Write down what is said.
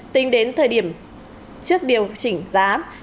tính đến thời điểm trước điều chỉnh giá